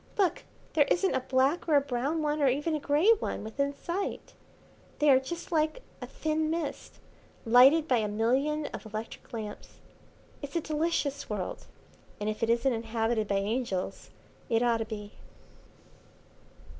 Look, there isn't a black or a brown one, or even a grey one, within sight. They are just like a thin mist, lighted by a million of electric lamps. It's a delicious world, and if it isn't inhabited by angels it ought to be."